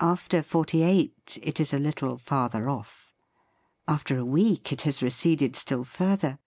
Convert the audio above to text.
After forty eight, it is a little farther off. After a week, it has re ceded still further.